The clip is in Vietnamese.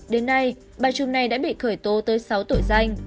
đêm nay bà trùm này đã bị khởi tố tới sáu tội danh